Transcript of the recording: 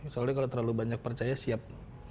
soalnya kalau terlalu banyak percaya siap